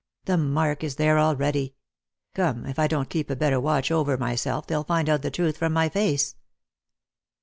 " The mark is there already. Come, if I don't keep a better watch over myself, they'll find out the truth from my face."